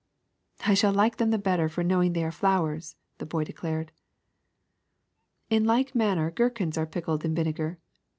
'* ''I shall like them all the better for knowing they are flowers," the boy declared. In like manner gherkins are pickled in vinegar.